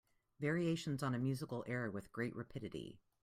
Variations on a musical air With great rapidity.